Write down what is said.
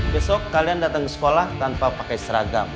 besok kalian datang ke sekolah tanpa pakai seragam